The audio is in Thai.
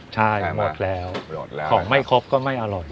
ใช่หมดแล้วของไม่ครบก็ไม่อร่อย